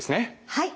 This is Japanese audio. はい。